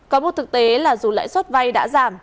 có một thực tế là dù lãi suất vay đã giảm